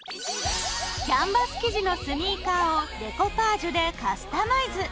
キャンバス生地のスニーカーをデコパージュでカスタマイズ。